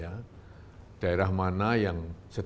daerah mana yang sedang dilaksanakan pembangunan fisik